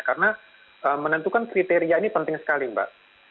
karena menentukan kriteria ini penting sekali mbak